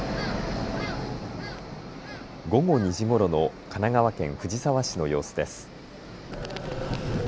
午後２時ごろの神奈川県藤沢市の様子です。